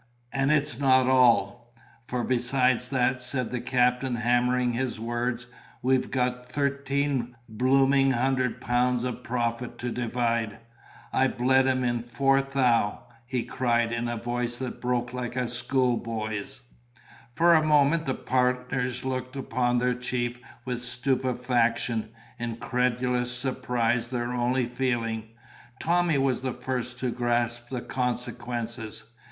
And it's not all! For besides that," said the captain, hammering his words, "we've got Thirteen Blooming Hundred Pounds of profit to divide. I bled him in four Thou.!" he cried, in a voice that broke like a schoolboy's. For a moment the partners looked upon their chief with stupefaction, incredulous surprise their only feeling. Tommy was the first to grasp the consequences.